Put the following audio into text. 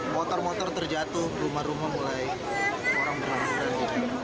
motor motor terjatuh rumah rumah mulai orang berhamburan